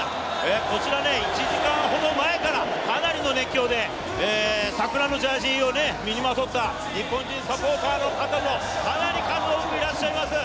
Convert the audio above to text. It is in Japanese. こちら１時間ほど前からかなりの熱狂で桜のジャージーを身にまとった日本人サポーターの方もかなり多くいらっしゃいます。